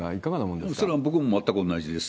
それは僕も全く同じです。